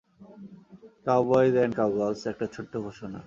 Cowboys and cowgirls, একটা ছোট্ট ঘোষণা।